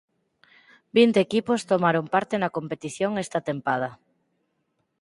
Vinte equipos tomaron parte na competición esta tempada.